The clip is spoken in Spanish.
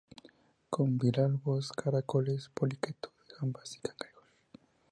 Come bivalvos, caracoles, poliquetos, gambas y cangrejos.